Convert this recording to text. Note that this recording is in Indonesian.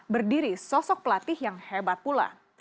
berdiri sosok pelatih yang hebat pula